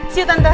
see you tante